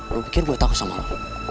lu pikir gue takut sama lu